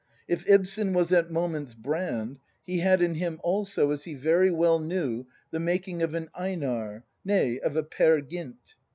If Ibsen was at moments Brand, he had in him also, as he very well knew, the making of an Einar, — nay, of a Peer Gynt.